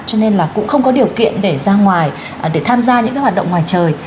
cho nên là cũng không có điều kiện để ra ngoài để tham gia những cái hoạt động ngoài trời